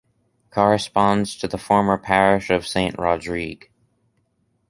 Corresponds to the former parish of Saint-Rodrigue.